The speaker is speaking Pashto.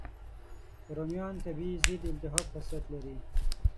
رومیان طبیعي ضد التهاب خاصیت لري.